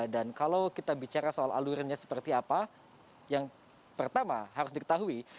dan kalau kita bicara soal alurannya seperti apa yang pertama harus diketahui